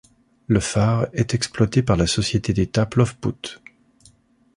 Le phare est exploité par la société d'État Plovput.